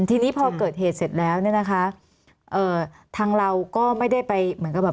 ทีนี้พอเกิดเหตุเสร็จแล้วเนี่ยนะคะเอ่อทางเราก็ไม่ได้ไปเหมือนกับแบบ